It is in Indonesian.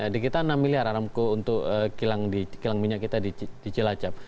di kita enam miliar aramco untuk kilang minyak kita di cilacap